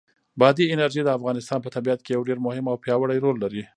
بادي انرژي د افغانستان په طبیعت کې یو ډېر مهم او پیاوړی رول لري.